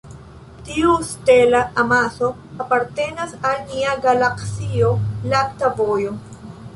Tiu stel-amaso apartenas al nia galaksio lakta vojo.